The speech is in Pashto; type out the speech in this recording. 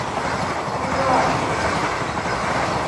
🐄 غوا